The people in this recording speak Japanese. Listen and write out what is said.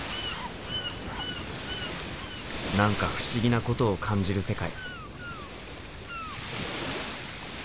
何か不思議なことを感じる世界。